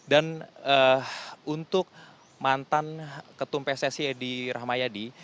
dan untuk mantan ketum pssi edi rahmayadi